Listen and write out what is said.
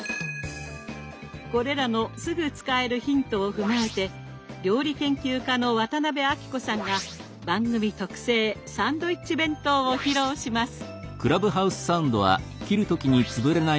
これらのすぐ使えるヒントを踏まえて料理研究家の渡辺あきこさんが番組特製サンドイッチ弁当を披露します！